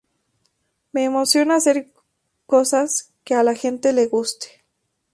Me emociona hacer cosas que a la gente le guste.